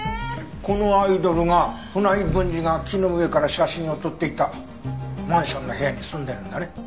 このアイドルが船井文治が木の上から写真を撮っていたマンションの部屋に住んでるんだね。